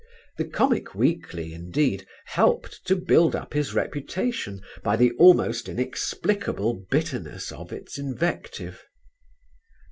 The comic weekly, indeed, helped to build up his reputation by the almost inexplicable bitterness of its invective.